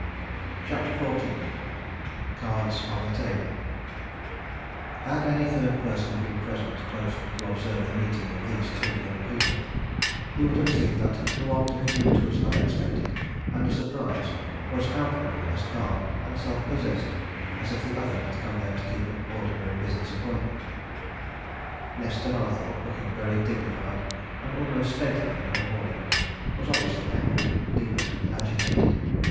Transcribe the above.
CHAPTER XIV CARDS ON THE TABLE Had any third person been present, closely to observe the meeting of these two young people, he would have seen that the one to whom it was unexpected and a surprise was outwardly as calm and self possessed as if the other had come there to keep an ordinary business appointment. Nesta Mallathorpe, looking very dignified and almost stately in her mourning, was obviously angry, indignant, and agitated.